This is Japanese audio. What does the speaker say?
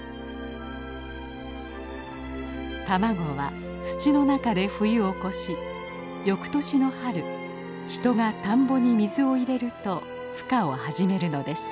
卵は土の中で冬を越し翌年の春人が田んぼに水を入れると孵化を始めるのです。